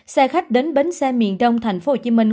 xe khách đến bến xe miền đông thành phố hồ chí minh